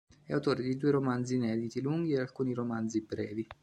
È autore di due romanzi inediti lunghi e alcuni romanzi brevi.